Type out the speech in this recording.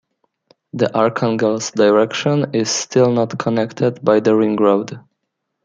The Arkhangelsk direction is still not connected by the ring road.